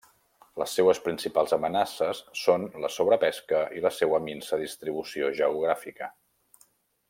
Les seues principals amenaces són la sobrepesca i la seua minsa distribució geogràfica.